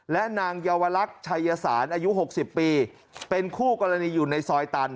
และนางเยาวลักษณ์ชัยสารอายุ๖๐ปีเป็นคู่กรณีอยู่ในซอยตัน